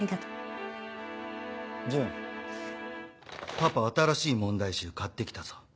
パパ新しい問題集買って来たぞ。